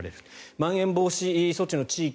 まん延防止措置の地域